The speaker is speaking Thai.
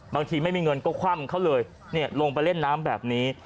ไม่มีเงินก็คว่ำเขาเลยลงไปเล่นน้ำแบบนี้